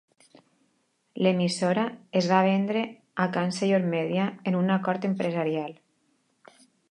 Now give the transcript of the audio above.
L'emissora es va vendre a Chancellor Media en un acord empresarial.